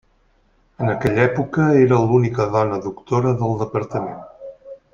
En aquella època era l'única dona doctora del departament.